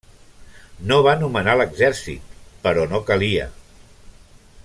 No va nomenar l'Exèrcit, però no calia.